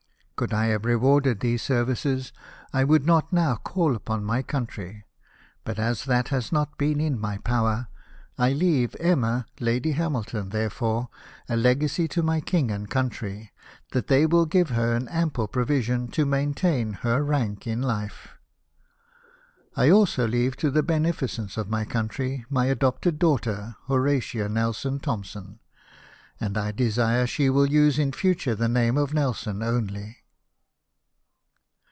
" Could I have rewarded these services, I would not now call upon my country ; but as that has not been in my power, I leave Emma Lady Hamilton, therefore, a legacy to my King and country, that they will give her an ample provision to maintain her rank in Hfe. " I also leave to the beneficence of my country my adopted daughter, Horatia Nelson Thompson ; and I desire she will use in future the name of Nelson only.